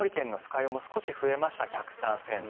湯も少し増えました１０３ｃｍ。